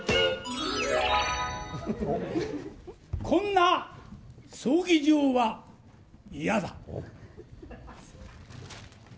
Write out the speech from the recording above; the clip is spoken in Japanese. こんな葬儀場は嫌だ。